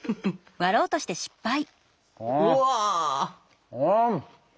うわ。